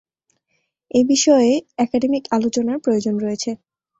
এ বিষয়ে একাডেমিক আলোচনার প্রয়োজন রয়েছে।